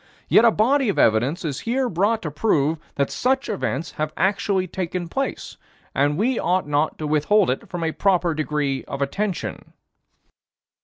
Yet a body of evidence is here brought to prove that such events have actually taken place, and we ought not to withhold from it a proper degree of attention."